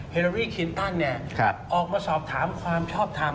เรารีคลินตันออกมาสอบถามความชอบทำ